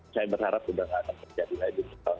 saya berharap sudah tidak akan terjadi lagi